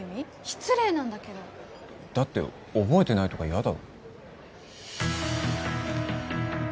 失礼なんだけどだって覚えてないとか嫌だろ？